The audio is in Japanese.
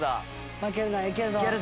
負けるないけるぞ。